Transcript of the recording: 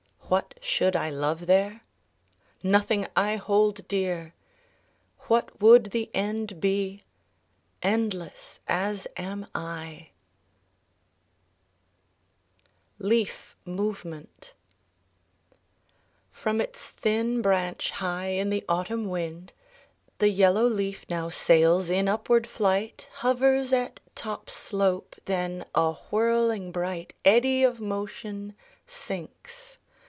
What should I love there? Nothing I hold dear! What would the end be ? Endless as am I ! LEAF MOVEMENT From its thin branch high in the autumn wind The yellow leaf now sails in upward flight ; Hovers at top slope; then, a whirling bright Eddy of motion, sinks.